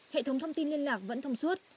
hệ thống thông tin liên lạc vẫn thông suốt